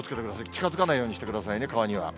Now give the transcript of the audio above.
近づかないようにしてくださいね、川には。